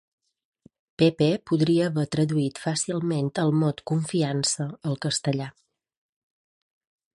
Pepe podria haver traduït fàcilment el mot "confiança" al castellà.